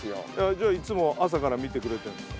じゃあいつも朝から見てくれてるんですか？